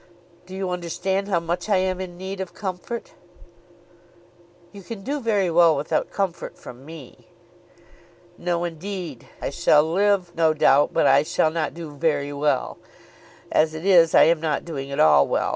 "Do you understand how much I am in need of comfort?" "You can do very well without comfort from me." "No, indeed. I shall live, no doubt; but I shall not do very well. As it is, I am not doing at all well.